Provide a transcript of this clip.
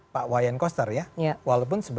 pak wayan koster ya walaupun